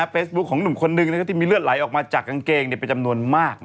เฟซบุ๊คของหนุ่มคนนึงที่มีเลือดไหลออกมาจากกางเกงเป็นจำนวนมาก